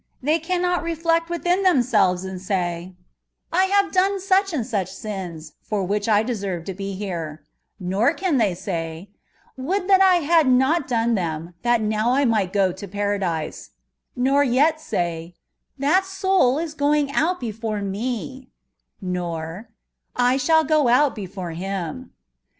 They cannot reflect withìn themselves and say, *' I ha ve done such and such sins^ for which I deserve to be bere ;" nor can they say, " Would that I had not done them, that now I might go to para dise ;" nor yet say, " That soul is going out before me ;" nor, " I shall go out before him.